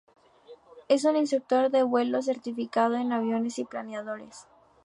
Es un instructor de vuelo certificado en aviones y planeadores.